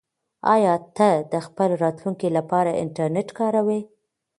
آیا ته د خپل راتلونکي لپاره انټرنیټ کاروې؟